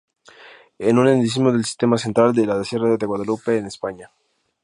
Es un endemismo del Sistema Central y de la Sierra de Guadalupe en España.